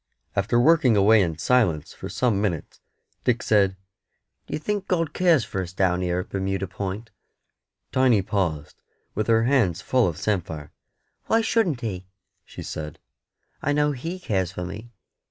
After working away in silence for some minutes, Dick said "D'ye think God cares for us down here at Bermuda Point?" Tiny paused, with her hands full of samphire. "Why shouldn't He?" she said. "I know He cares for me.